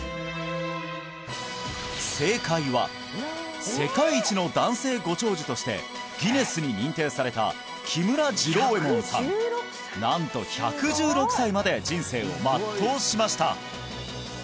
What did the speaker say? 正解は世界一の男性ご長寿としてギネスに認定された木村次郎右衞門さんなんと１１６歳まで人生を全うしました